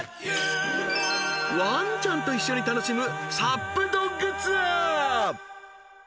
［ワンちゃんと一緒に楽しむ］